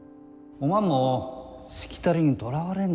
おまんもしきたりにとらわれんと。